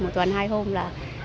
một tuần hai hôm là